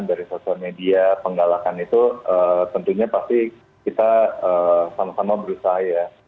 dari sosial media penggalakan itu tentunya pasti kita sama sama berusaha ya